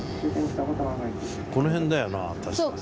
この辺だよな確か。